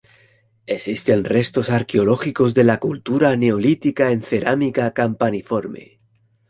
Existen restos arqueológicos de la cultura neolítica en cerámica campaniforme.